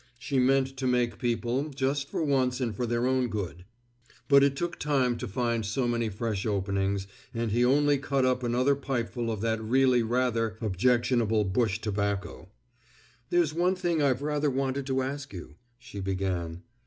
She meant to make people, just for once and for their own good; but it took time to find so many fresh openings, and he only cutting up another pipeful of that really rather objectionable bush tobacco. "There's one thing I've rather wanted to ask you," she began.